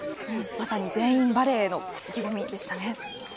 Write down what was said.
まさに全員バレーの意気込みでしたね。